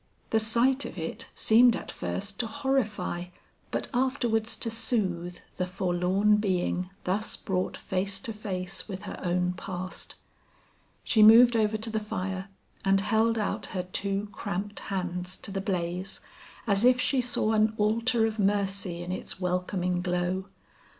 The sight of it seemed at first to horrify but afterwards to soothe the forlorn being thus brought face to face with her own past. She moved over to the fire and held out her two cramped hands to the blaze, as if she saw an altar of mercy in its welcoming glow.